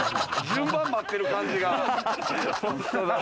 順番待ってる感じが。